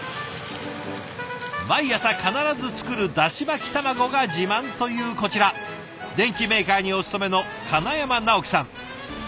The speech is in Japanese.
毎朝必ず作るだし巻き卵が自慢というこちら電機メーカーにお勤めの金山直樹さん。